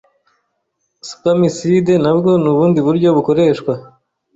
Spermicide nabwo nubundi buryo bukoreshwa